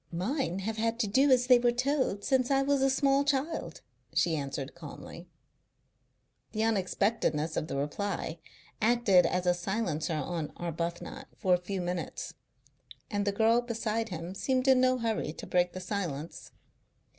Mine have had to do as they were told since I was a small child," she answered calmly. The unexpectedness of the reply acted as a silencer on Arbuthnot for a few minutes, and the girl beside him seemed in no hurry to break the silence.